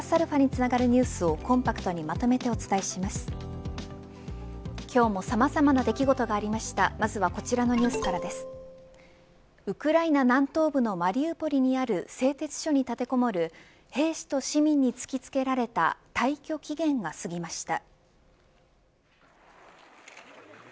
ウクライナ南東部のマリウポリにある製鉄所に立てこもる兵士と市民に突きつけられた退去期限が過ぎました。